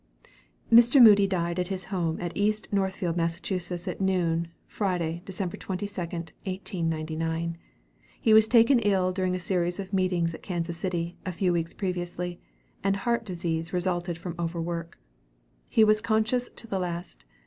Mr. Moody died at his home at East Northfield, Mass., at noon, Friday, December 22, 1899. He was taken ill during a series of meetings at Kansas City, a few weeks previously, and heart disease resulted from overwork. He was conscious to the last.